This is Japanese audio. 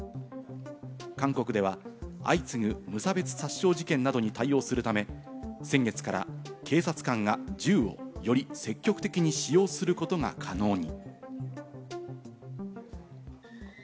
韓国では、相次ぐ無差別殺傷事件などに対応するため、先月から警察官が銃をより積極的に使用することが可能に。